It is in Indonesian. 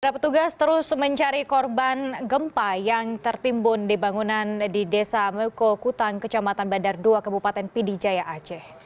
para petugas terus mencari korban gempa yang tertimbun di bangunan di desa mekokutang kecamatan bandar dua kebupaten pidijaya aceh